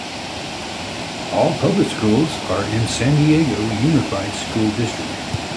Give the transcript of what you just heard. All public schools are in the San Diego Unified School District.